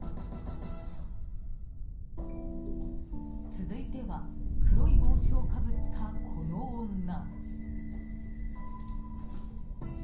続いては黒い帽子をかぶった、この女。